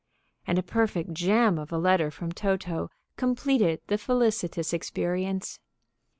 And a perfect gem of a letter from Toto completed the felicitous experience.